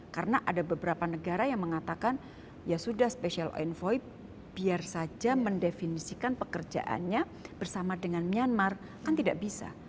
karena ada beberapa negara yang mengatakan ya sudah special envoy biar saja mendefinisikan pekerjaannya bersama dengan myanmar kan tidak bisa